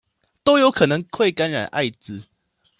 都有可能會感染愛滋